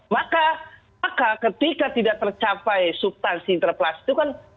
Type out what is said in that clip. maka maka ketika tidak tercapai subtansi interpelasi itu kan